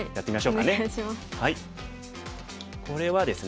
これはですね